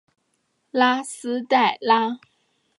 拉斯拉代。